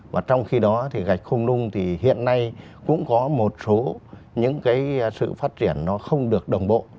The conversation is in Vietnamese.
và trong khi đó thì gạch không nung thì hiện nay cũng có một số những cái sự phát triển nó không được đồng bộ